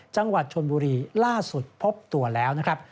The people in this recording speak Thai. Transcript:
จังหวัดชนบุรีล่าสุดพบตัวแล้วนะครับ